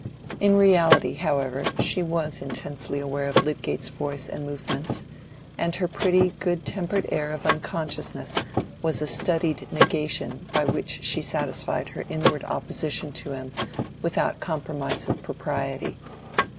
In reality, however, she was intensely aware of Lydgate's voice and movements; and her pretty good tempered air of unconsciousness was a studied negation by which she satisfied her inward opposition to him without compromise of propriety.